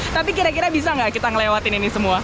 tapi kira kira bisa nggak kita ngelewatin ini semua